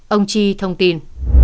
ông chi thông tin